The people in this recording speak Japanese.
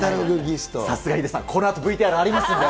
さすがヒデさん、このあとＶＴＲありますので。